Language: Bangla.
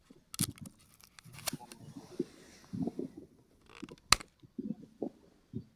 তারপর নিজে গৃহত্যাগ করেন।